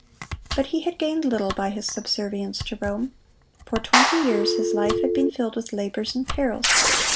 But he had gained little by his subservience to Rome. For twenty years his life had been filled with labors and perils.